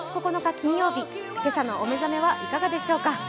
金曜日、今朝のお目覚めいかがでしょうか。